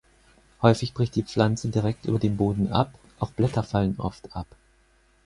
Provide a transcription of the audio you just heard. Häufig bricht die Pflanze direkt über dem Boden ab, auch Blätter fallen oft ab.